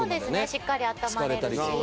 しっかりあったまれるし。